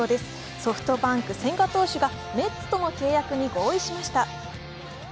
ソフトバンク・千賀投手がメッツとの契約に合意しました。